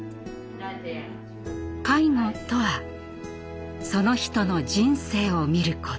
介護とはその人の人生を看ること。